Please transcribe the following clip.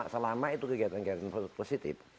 selama itu kegiatan kegiatan positif